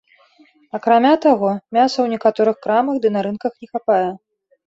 Акрамя таго, мяса ў некаторых крамах ды на рынках не хапае.